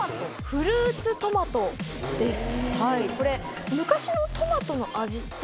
・フルーツトマトです。